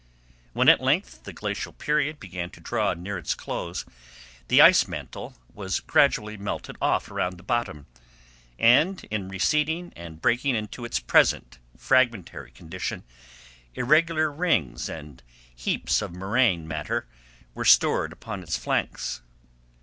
When, at length, the glacial period began to draw near its close, the ice mantle was gradually melted off around the bottom, and, in receding and breaking into its present fragmentary condition, irregular rings and heaps of moraine matter were stored upon its flanks.